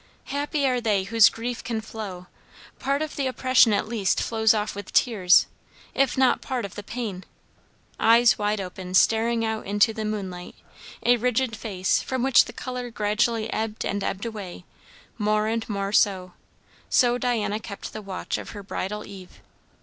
Happy are they whose grief can flow; part of the oppression, at least, flows off with tears, if not part of the pain. Eyes wide open, staring out into the moonlight; a rigid face, from which the colour gradually ebbed and ebbed away, more and more; so Diana kept the watch of her bridal eve.